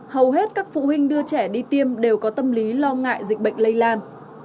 hầu hết các phụ huynh đưa trẻ đi tiêm đều có tâm lý lo ngại dịch bệnh lây lan